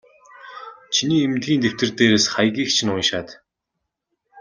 Чиний эмнэлгийн дэвтэр дээрээс хаягийг чинь уншаад.